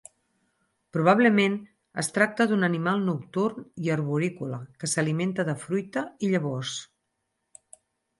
Probablement es tracta d'un animal nocturn i arborícola que s'alimenta de fruita i llavors.